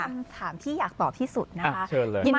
คำถามที่อยากตอบที่สุดนะคะ